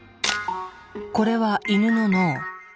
これはイヌの脳。